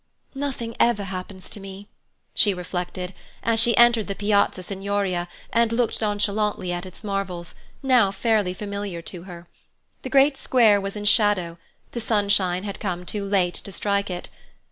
"Nothing ever happens to me," she reflected, as she entered the Piazza Signoria and looked nonchalantly at its marvels, now fairly familiar to her. The great square was in shadow; the sunshine had come too late to strike it.